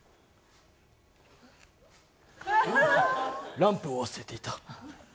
ランプを忘れていた。